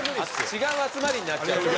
違う集まりになっちゃうから。